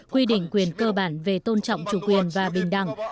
quy định quyền cơ bản về tôn trọng chủ quyền và bình đẳng